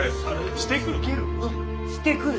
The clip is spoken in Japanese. してくる？